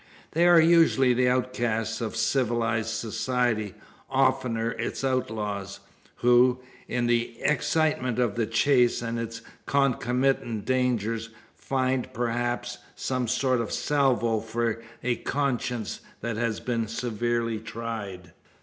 They are usually the outcasts of civilised society oftener its outlaws who, in the excitement of the chase, and its concomitant dangers, find, perhaps, some sort of salvo for a conscience that has been severely tried.